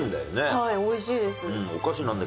はい美味しいです。